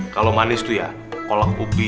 kalau manis tuh ya kolak ubi